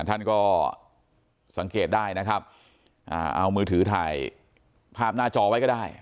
ท่านก็สังเกตได้นะครับเอามือถือถ่ายภาพหน้าจอไว้ก็ได้